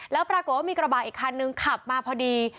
แล้วปรากฏว่ามีกระบะอีกคันนึงขับมาพอดี